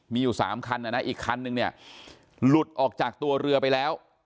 มีอยู่๓คันนะนะอีกคันนึงเนี่ยหลุดออกจากตัวเรือไปแล้ว